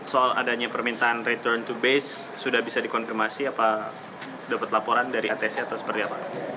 soal adanya permintaan return to base sudah bisa dikonfirmasi apa dapat laporan dari atc atau seperti apa